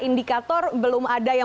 masih jadi kayak misalnya atau